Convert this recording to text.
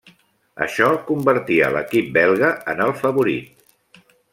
Això convertia l'equip belga en el favorit.